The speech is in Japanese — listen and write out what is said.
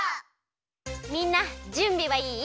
みんなじゅんびはいい？